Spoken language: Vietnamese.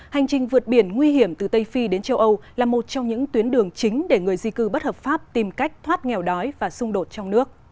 hành trình vượt biển nguy hiểm từ tây phi đến châu âu là một trong những tuyến đường chính để người di cư bất hợp pháp tìm cách thoát nghèo đói và xung đột trong nước